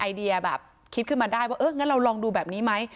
เดียแบบคิดขึ้นมาได้ว่าเอองั้นเราลองดูแบบนี้ไหม